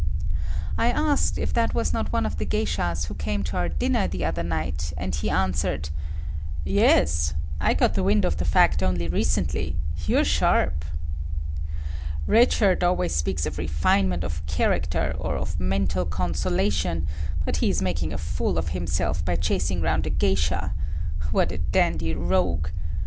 I asked if that was not one of the geishas who came to our dinner the other night, and he answered, "Yes, I got the wind of the fact only recently; you're sharp." "Red Shirt always speaks of refinement of character or of mental consolation, but he is making a fool of himself by chasing round a geisha. What a dandy rogue.